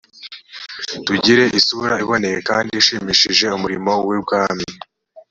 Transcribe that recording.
tugire isura iboneye kandi ishimishije umurimo w’ubwami